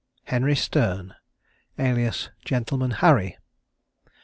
HENRY STERNE, alias GENTLEMAN HARRY.